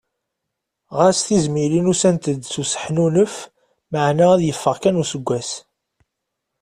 Ɣas tizmilin ussant-d s useḥnunef maɛna ad yeffeɣ kan useggas.